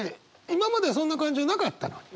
今までそんな感情なかったのに。